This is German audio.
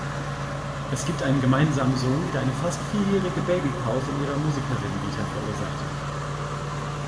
Es gibt einen gemeinsamen Sohn, der eine fast vierjährige Babypause in ihrer Musikerinnen-Vita verursachte.